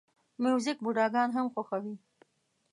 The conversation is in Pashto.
موزیک بوډاګان هم خوښوي.